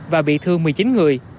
và bị thương một mươi chín người